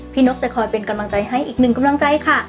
นกจะคอยเป็นกำลังใจให้อีกหนึ่งกำลังใจค่ะ